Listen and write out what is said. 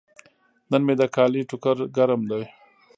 نن مې د کالي ټوکر ګرم کړل.